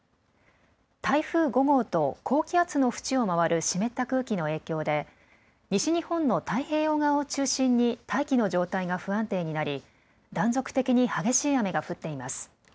台風５号と高気圧の縁を回る湿った空気の影響で西日本の太平洋側を中心に大気の状態が不安定になり断続的に激しい雨が降っています。